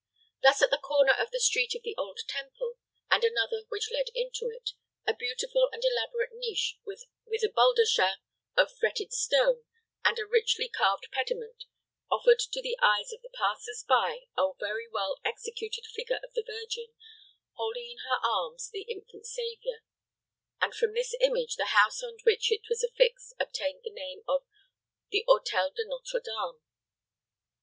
Thus, at the corner of the Street of the Old Temple, and another which led into it, a beautiful and elaborate niche with a baldachin of fretted stone, and a richly carved pediment, offered to the eyes of the passers by a very well executed figure of the Virgin, holding in her arms the infant Savior, and from this image the house on which it was affixed obtained the name of the Hôtel de Nôtre Dame.